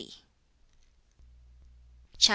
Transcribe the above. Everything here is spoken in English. CHAP.